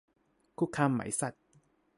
คุกคามไหมสัส